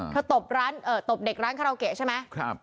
เธอตบร้านเอ่อตบเด็กร้านคาราโกะใช่ไหมครับ